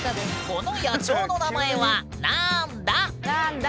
この野鳥の名前はなんだ？